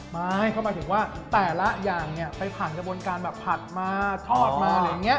ไม่เข้าหมายถึงว่าแต่ละอย่างไปผ่านกระบวนการแบบผัดมาทอดมาอย่างนี้